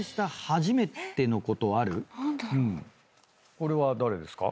これは誰ですか？